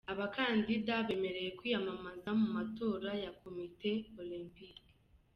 Abakandida bemerewe kwiyamamaza mu matora ya Komite Olempike.